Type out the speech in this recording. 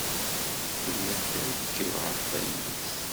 Tella trekkeb ɣef wayis.